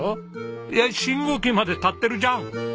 いや信号機まで立ってるじゃん！